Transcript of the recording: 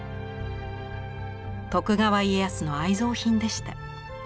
徳川家康の愛蔵品でした。